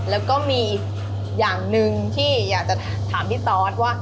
แล้วก็มีอย่างหนึ่งที่อยากจะถามพี่ตอสว่า